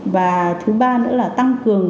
và thứ ba nữa là tăng cường